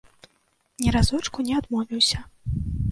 Ні разочку не адмовіўся.